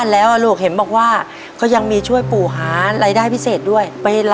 แล้วเวลาหนูไปล้างจานหนูไปกับใคร